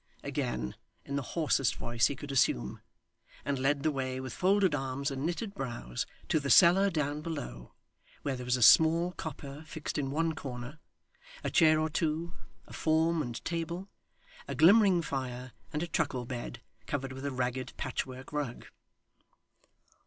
again, in the hoarsest voice he could assume; and led the way, with folded arms and knitted brows, to the cellar down below, where there was a small copper fixed in one corner, a chair or two, a form and table, a glimmering fire, and a truckle bed, covered with a ragged patchwork rug.